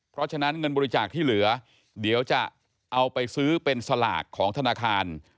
เพราะฉะนั้นเงินบริจาคที่เหลือเดี๋ยวจะเอาไปซื้อเป็นสลากของธนาคาร